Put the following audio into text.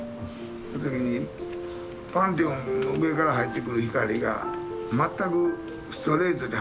その時にパンテオンの上から入ってくる光が全くストレートで入ってくると。